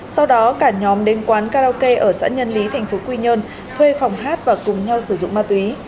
sau đó cả nhóm đến quán karaoke ở xã nhân lý tp quy nhơn thuê phòng hát và cùng nhau sử dụng ma túy